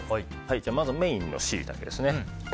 まずメインのシイタケですね。